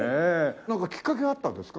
なんかきっかけがあったんですか？